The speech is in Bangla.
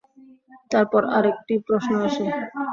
তারপর আর একটি প্রশ্ন আসে।